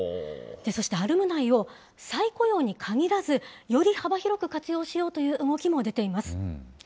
そして、アルムナイを再雇用に限らず、より幅広く活用しようという動きも出ています。